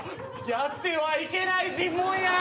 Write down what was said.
やってはいけない尋問や！